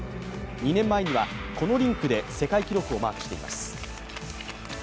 ２年前には、このリンクで世界記録をマークしています。